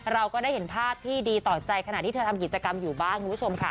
เราก็ได้เห็นภาพที่ดีต่อใจขณะที่เธอทำกิจกรรมอยู่บ้างคุณผู้ชมค่ะ